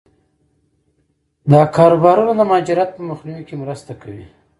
دا کاروبارونه د مهاجرت په مخنیوي کې مرسته کوي.